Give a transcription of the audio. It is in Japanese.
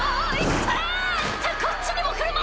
こっちにも車！